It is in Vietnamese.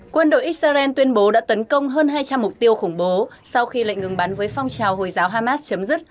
quân đội israel tuyên bố đã tấn công hơn hai trăm linh mục tiêu khủng bố sau khi lệnh ngừng bắn với phong trào hồi giáo hamas chấm dứt